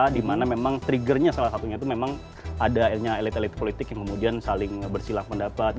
di mana memang triggernya salah satunya itu memang ada elit elit politik yang kemudian saling bersilah pendapat